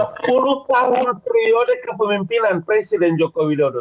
sepuluh tahun periode kepemimpinan presiden joko widodo